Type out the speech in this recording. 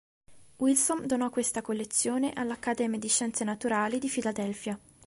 Wilson donò questa collezione all'Accademia di Scienze Naturali di Philadelphia.